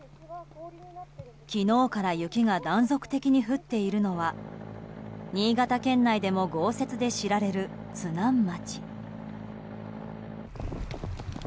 昨日から雪が断続的に降っているのは新潟県内でも豪雪で知られる津南町。